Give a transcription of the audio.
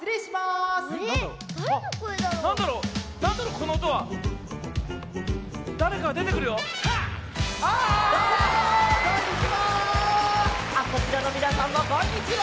こちらのみなさんもこんにちは！